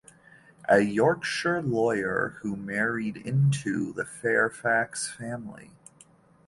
A Yorkshire lawyer who married into the Fairfax family.